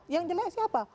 yang jelek siapa